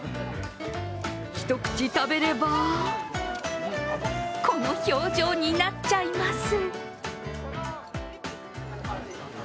一口食べればこの表情になっちゃいます。